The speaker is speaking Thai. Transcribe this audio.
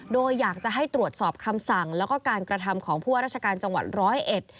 โดยอยากจะให้ตรวจสอบคำสั่งและการกระทำของพวกราชการจังหวัด๑๐๑